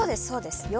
そうです。